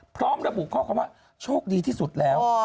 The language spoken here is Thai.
พร้อมระบุข้อความว่าโชคดีที่สุดแล้ว